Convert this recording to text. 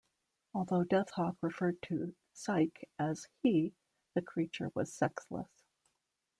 Although Death Hawk referred to Cyke as "he", the creature was sexless.